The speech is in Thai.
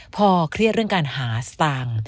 พอเครียดเรื่องการหาสตางค์